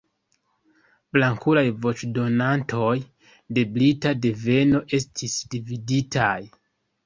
Blankulaj voĉdonantoj de brita deveno estis dividitaj.